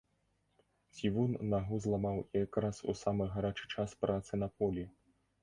Цівун нагу зламаў якраз у самы гарачы час працы на полі.